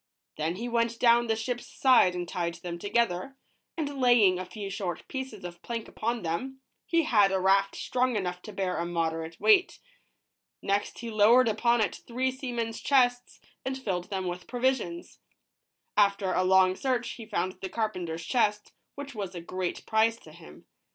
Then he went down the ships side and tied them together, and laying a few short pieces of plank upon them, he had a raft strong enough to bear a moderate weight. Next he lowered upon it three seamen's chests, and filled them with provisions. After a long search he found the carpenters chest, which was a great prize to him.